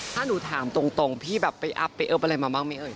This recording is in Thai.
ถ้าหนูถามตรงพี่แบบไปอัพไปเอิบอะไรมาบ้างไหมเอ่ย